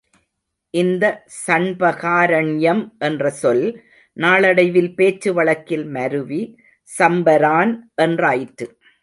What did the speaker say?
இந்த சண்பகாரண்யம் என்ற சொல் நாளடைவில் பேச்சு வழக்கில் மருவி சம்பரான் என்றாயிற்று.